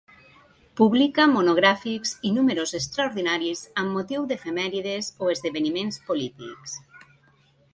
Publica monogràfics i números extraordinaris amb motiu d'efemèrides o esdeveniments polítics.